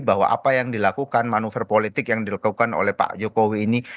bahwa apa yang dilakukan manuver politik yang dilakukan oleh pak jokowi ini